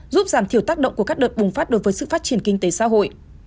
giúp giảm thiểu tác động của các đợt bùng phát đối với sự phát triển kinh tế xã hội